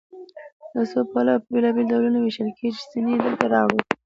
له څو پلوه په بېلابېلو ډولونو ویشل کیږي چې ځینې یې دلته راوړو.